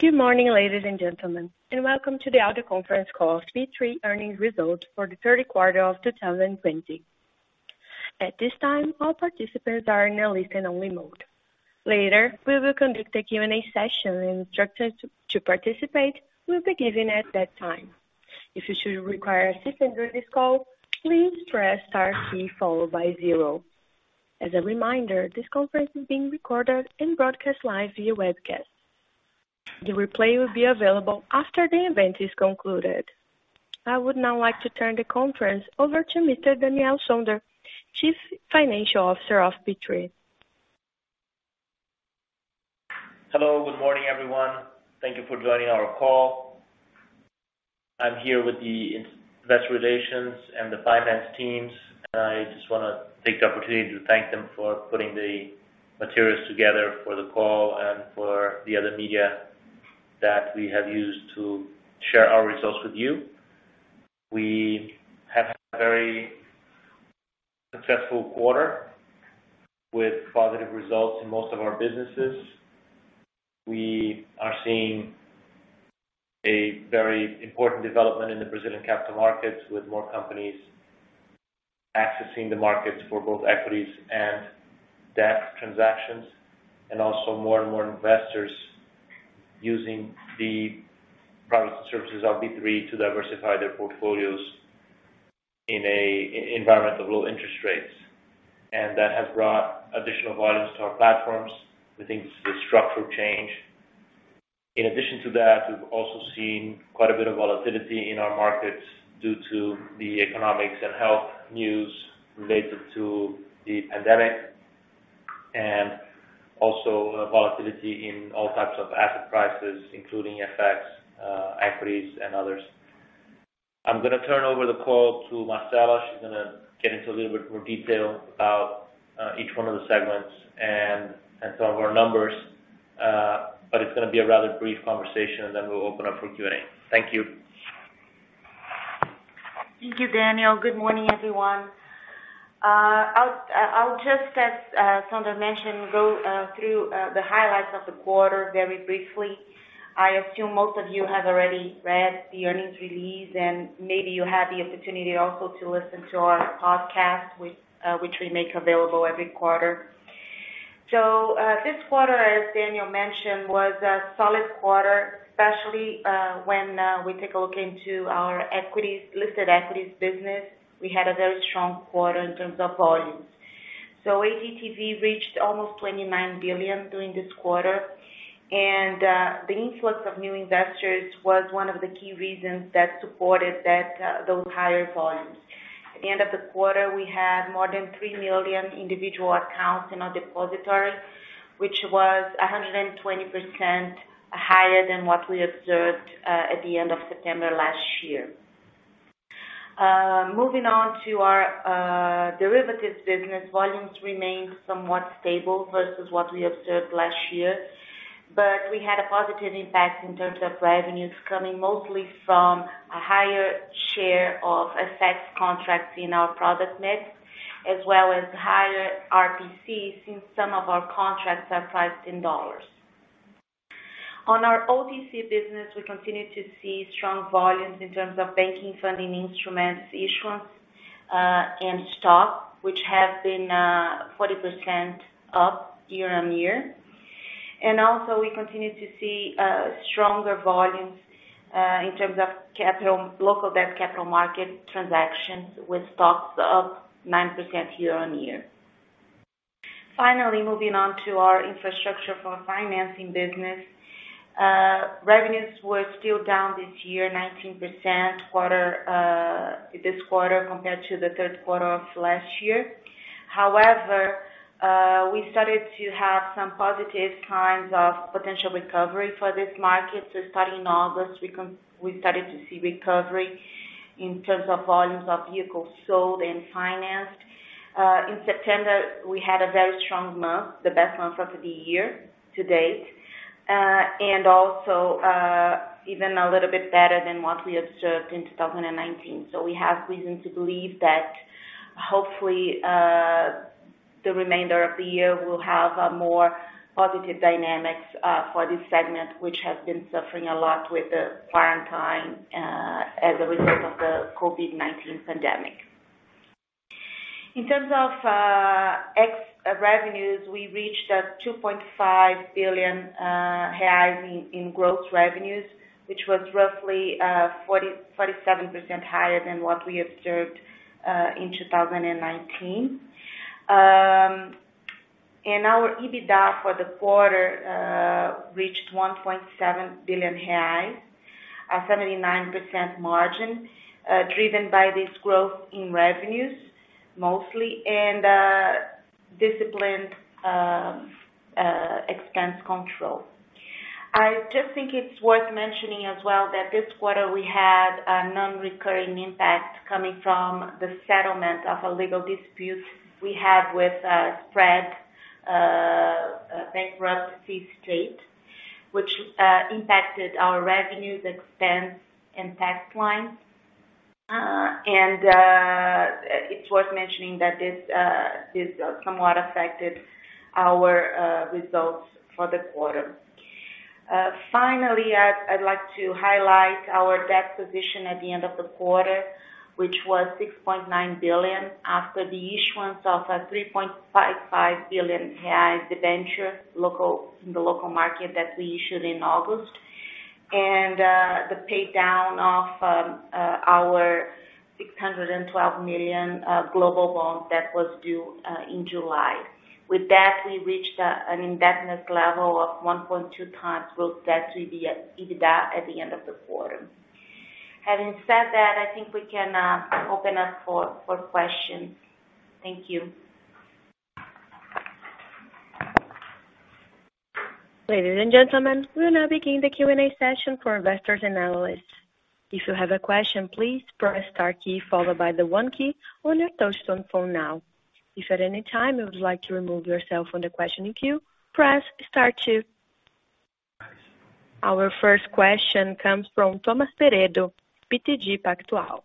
Good morning, ladies and gentlemen, and welcome to the audio conference call of B3 earnings results for the third quarter of 2020. At this time, all participants are in a listen-only mode. Later, we will conduct a Q&A session, and instructions to participate will be given at that time. If you should require assistance during this call, please press star key followed by zero. As a reminder, this conference is being recorded and broadcast live via webcast. The replay will be available after the event is concluded. I would now like to turn the conference over to Mr. Daniel Sonder, Chief Financial Officer of B3. Hello. Good morning, everyone. Thank you for joining our call. I'm here with the investor relations and the finance teams. I just want to take the opportunity to thank them for putting the materials together for the call and for the other media that we have used to share our results with you. We have had a very successful quarter with positive results in most of our businesses. We are seeing a very important development in the Brazilian capital markets, with more companies accessing the markets for both equities and debt transactions, and also more and more investors using the products and services of B3 to diversify their portfolios in an environment of low interest rates. That has brought additional volumes to our platforms. We think this is a structural change. In addition to that, we've also seen quite a bit of volatility in our markets due to the economics and health news related to the pandemic, and also volatility in all types of asset prices, including FX, equities, and others. I'm going to turn over the call to Marcela. She's going to get into a little bit more detail about each one of the segments and some of our numbers. It's going to be a rather brief conversation, and then we'll open up for Q&A. Thank you. Thank you, Daniel. Good morning, everyone. I'll just, as Sonder mentioned, go through the highlights of the quarter very briefly. I assume most of you have already read the earnings release, and maybe you had the opportunity also to listen to our podcast, which we make available every quarter. This quarter, as Daniel mentioned, was a solid quarter, especially when we take a look into our listed equities business. We had a very strong quarter in terms of volumes. ADTV reached almost 29 billion during this quarter. The influx of new investors was one of the key reasons that supported those higher volumes. At the end of the quarter, we had more than 3 million individual accounts in our depository, which was 120% higher than what we observed at the end of September last year. Moving on to our derivatives business, volumes remained somewhat stable versus what we observed last year, but we had a positive impact in terms of revenues coming mostly from a higher share of assets contracts in our product mix, as well as higher RPCs, since some of our contracts are priced in USD. On our OTC business, we continue to see strong volumes in terms of banking funding instruments issuance and stock, which have been 40% up year-on-year. Also we continue to see stronger volumes in terms of local debt capital market transactions, with stocks up 9% year-on-year. Finally, moving on to our infrastructure for financing business. Revenues were still down this year, 19% this quarter compared to the third quarter of last year. However, we started to have some positive signs of potential recovery for this market. Starting in August, we started to see recovery in terms of volumes of vehicles sold and financed. In September, we had a very strong month, the best month of the year to date, and also even a little bit better than what we observed in 2019. We have reason to believe that hopefully, the remainder of the year will have a more positive dynamics for this segment, which has been suffering a lot with the quarantine as a result of the COVID-19 pandemic. In terms of ex revenues, we reached a 2.5 billion in gross revenues, which was roughly 47% higher than what we observed in 2019. Our EBITDA for the quarter reached 1.7 billion reais, a 79% margin, driven by this growth in revenues mostly and disciplined expense control. I just think it's worth mentioning as well that this quarter we had a non-recurring impact coming from the settlement of a legal dispute we had with Spread, A bankruptcy state, which impacted our revenues, expense, and tax line. It's worth mentioning that this somewhat affected our results for the quarter. Finally, I'd like to highlight our debt position at the end of the quarter, which was 6.9 billion after the issuance of 3.55 billion debenture in the local market that we issued in August. The pay down of our 612 million global bond that was due in July. With that, we reached an indebtedness level of 1.2 times gross debt to the EBITDA at the end of the quarter. Having said that, I think we can open up for questions. Thank you. Ladies and gentlemen will would now begin the Q&A for investor and analyst, if you have a question please press star key followed by the one key on your touch tone phone now. If at anytime you would like to remove yourself from the question queue press star two. Our first question comes from Thiago Pardo, BTG Pactual.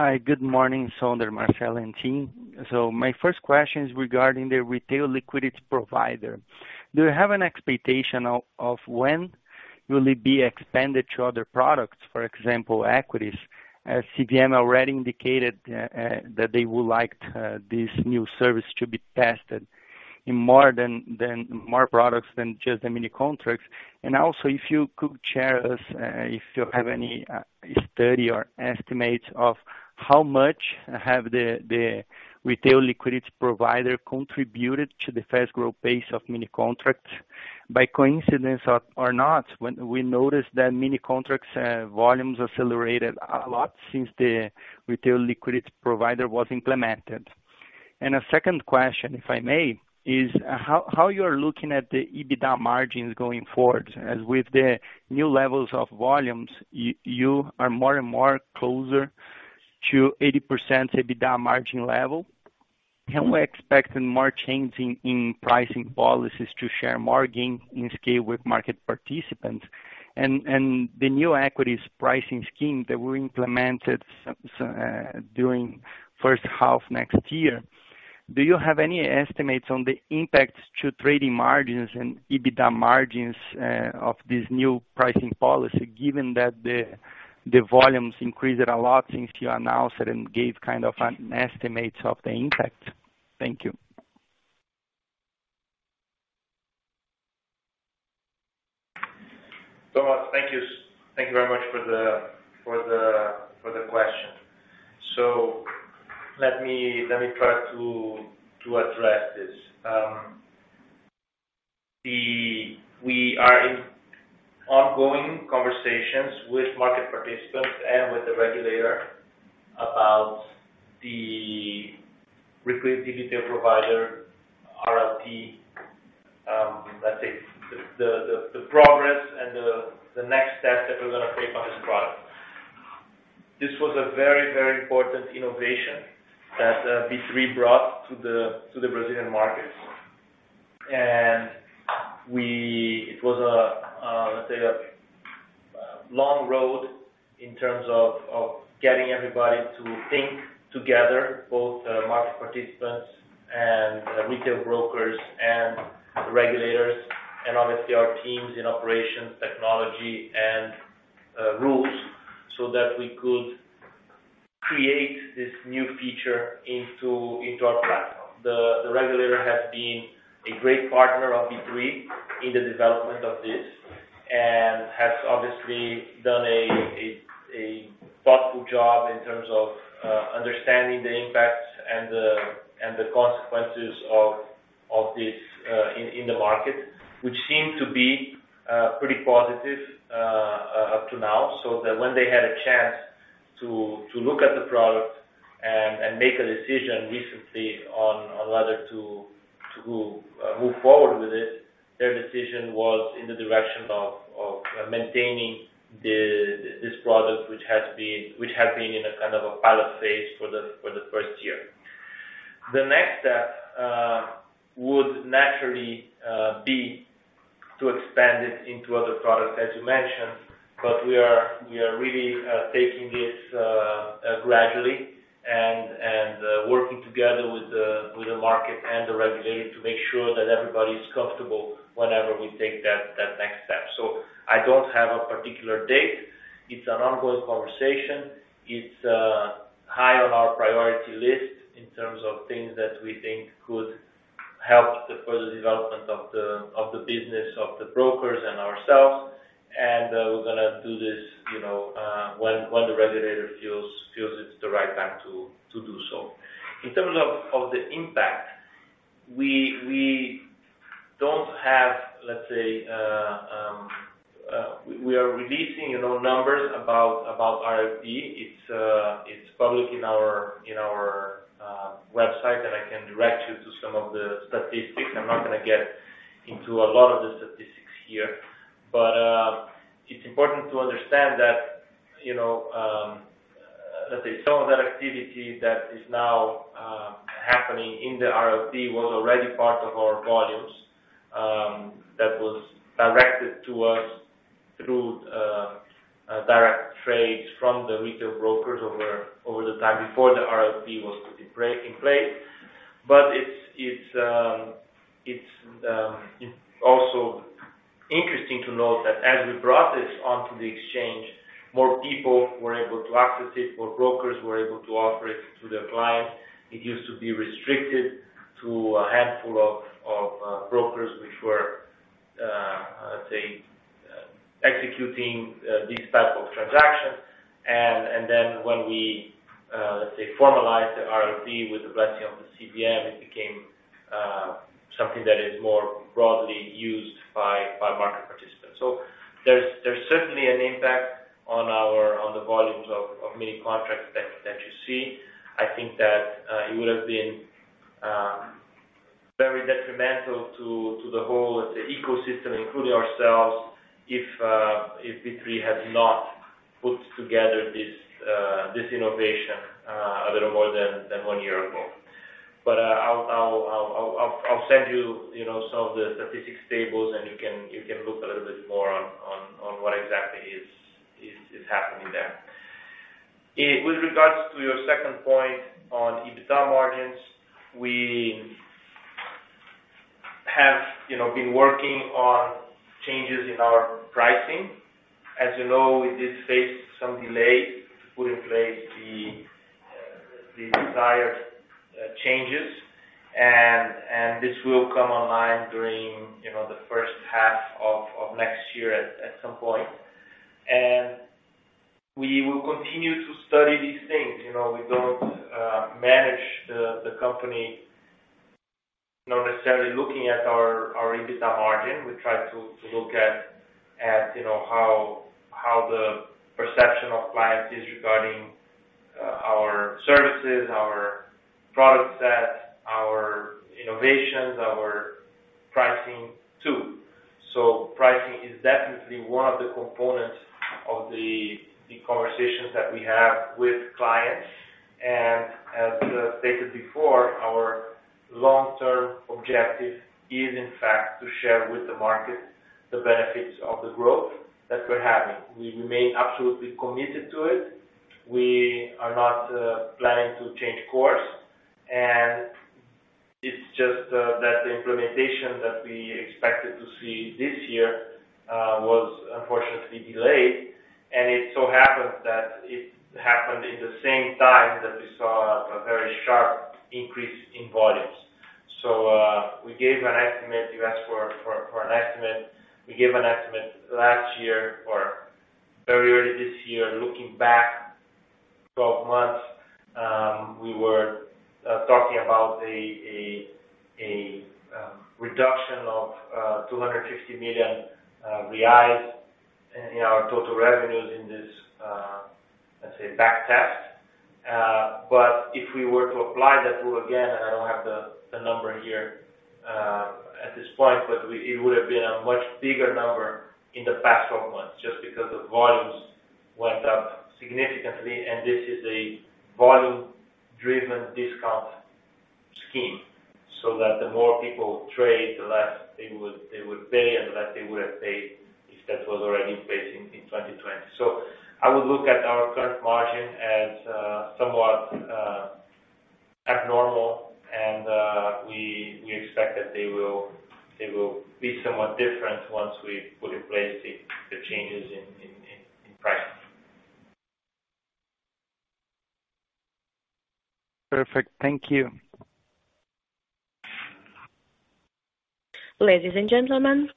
Hi, good morning, Sonder, Marcela, and team. My first question is regarding the Retail Liquidity Provider. Do you have an expectation of when will it be expanded to other products, for example, equities, as CVM already indicated that they would like this new service to be tested in more products than just the mini contracts. Also if you could share with us if you have any study or estimates of how much have the Retail Liquidity Provider contributed to the fast growth pace of mini contracts. By coincidence or not, we noticed that mini contracts volumes accelerated a lot since the Retail Liquidity Provider was implemented. A second question, if I may, is how you're looking at the EBITDA margins going forward, as with the new levels of volumes, you are more and more closer to 80% EBITDA margin level. Can we expect more changes in pricing policies to share more gain in scale with market participants? The new equities pricing scheme that will be implemented during first half next year, do you have any estimates on the impact to trading margins and EBITDA margins of this new pricing policy, given that the volumes increased a lot since you announced it and gave kind of an estimate of the impact? Thank you. Thiago, thank you. Thank you very much for the question. Let me try to address this. We are in ongoing conversations with market participants and with the regulator about the Retail Liquidity Provider, RLP. Let's say the progress and the next step that we're going to take on this product. This was a very important innovation that B3 brought to the Brazilian markets. It was a long road in terms of getting everybody to think together, both market participants and retail brokers and regulators, and obviously our teams in operations, technology, and rules so that we could create this new feature into our platform. The regulator has been a great partner of B3 in the development of this and has obviously done a thoughtful job in terms of understanding the impacts and the consequences of this in the market, which seem to be pretty positive up to now. When they had a chance to look at the product and make a decision recently on whether to move forward with it, their decision was in the direction of maintaining this product which had been in a kind of a pilot phase for the first year. The next step would naturally be to expand it into other products, as you mentioned, but we are really taking this gradually and working together with the market and the regulator to make sure that everybody's comfortable whenever we take that next step. I don't have a particular date. It's an ongoing conversation. It's high on our priority list in terms of things that we think could help the further development of the business of the brokers and ourselves. We're going to do this when the regulator feels it's the right time to do so. In terms of the impact, we are releasing numbers about RLP. It's public in our website, and I can direct you to some of the statistics. I'm not going to get into a lot of the statistics here. It's important to understand that. Let's say some of that activity that is now happening in the RLP was already part of our volumes that was directed to us through direct trades from the retail brokers over the time before the RLP was put in place. It's also interesting to note that as we brought this onto the exchange, more people were able to access it, more brokers were able to offer it to their clients. It used to be restricted to a handful of brokers which were, let's say, executing these type of transactions. When we formalized the RLP with the blessing of the CVM, it became something that is more broadly used by market participants. There's certainly an impact on the volumes of mini contracts that you see. I think that it would have been very detrimental to the whole ecosystem, including ourselves, if B3 had not put together this innovation a little more than one year ago. I'll send you some of the statistics tables, and you can look a little bit more on what exactly is happening there. With regards to your second point on EBITDA margins, we have been working on changes in our pricing. As you know, we did face some delay to put in place the desired changes, and this will come online during the first half of next year at some point. We will continue to study these things. We don't manage the company, not necessarily looking at our EBITDA margin. We try to look at how the perception of clients is regarding our services, our product set, our innovations, our pricing too. Pricing is definitely one of the components of the conversations that we have with clients. As stated before, our long-term objective is in fact to share with the market the benefits of the growth that we're having. We remain absolutely committed to it. We are not planning to change course. It's just that the implementation that we expected to see this year was unfortunately delayed, and it so happened that it happened in the same time that we saw a very sharp increase in volumes. We gave an estimate, you asked for an estimate. We gave an estimate last year or very early this year. Looking back 12 months, we were talking about a reduction of 250 million reais in our total revenues in this, let's say, back test. If we were to apply that rule again, and I don't have the number here at this point, but it would have been a much bigger number in the past 12 months just because the volumes went up significantly. This is a volume-driven discount scheme, so that the more people trade, the less they would pay and the less they would have paid if that was already in place in 2020. I would look at our current margin as somewhat abnormal, and we expect that they will be somewhat different once we put in place the changes in pricing. Perfect. Thank you. Ladies and gentlemen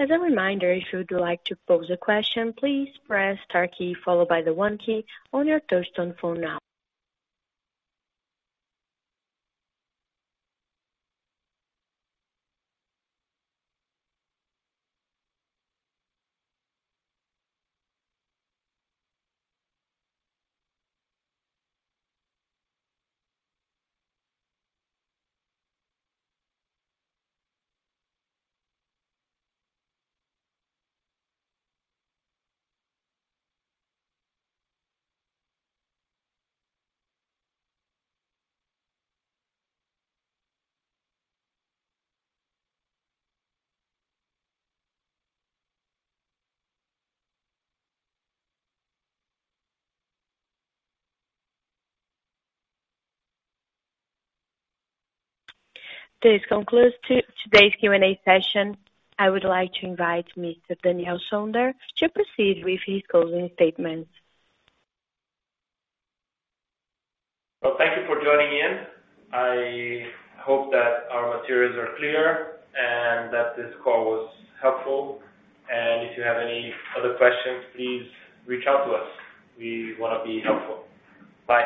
as a reminder if you would like to pose a question please press star key followed by the one key on your touch tone phone now. This concludes today's Q&A session. I would like to invite Mr. Daniel Sonder to proceed with his closing statements. Well, thank you for joining in. I hope that our materials are clear and that this call was helpful. If you have any other questions, please reach out to us. We want to be helpful. Bye.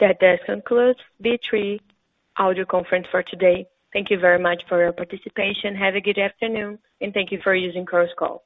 That does conclude B3 audio conference for today. Thank you very much for your participation. Have a good afternoon, and thank you for using Chorus Call.